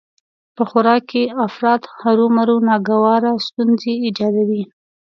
په خوراک کې افراط هرومرو ناګواره ستونزې ايجادوي